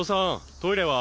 トイレは？